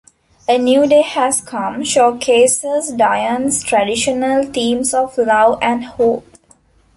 "A New Day Has Come" showcases Dion's traditional themes of love and hope.